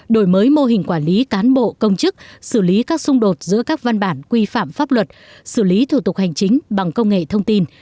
đổi mới mô hình quản lý cán bộ công chức xử lý các xung đột giữa các văn bản quy phạm pháp luật xử lý thủ tục hành chính bằng công nghệ thông tin